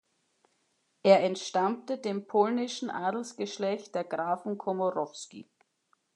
Er entstammte dem polnischen Adelsgeschlecht der Grafen Komorowski.